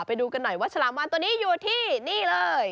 ไปดูกันหน่อยว่าฉลามวานตัวนี้อยู่ที่นี่เลย